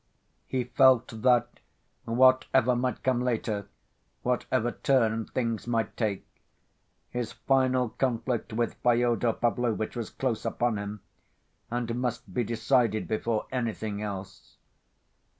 He felt that whatever might come later, whatever turn things might take, his final conflict with Fyodor Pavlovitch was close upon him, and must be decided before anything else.